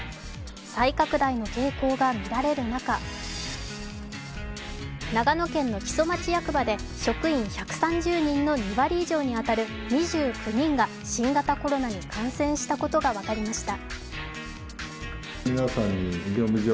再拡大の傾向が見られる中長野県の木曽町役場で職員１３０人の２割以上に当たる２９人が新型コロナに感染したことが分かりました。